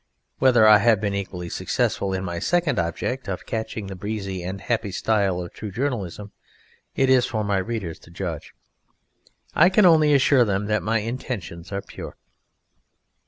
Whether I have been equally successful in my second object of catching the breezy and happy style of true journalism it is for my readers to judge. I can only assure them that my intentions are pure.